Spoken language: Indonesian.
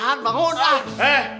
sampai jumpa lagi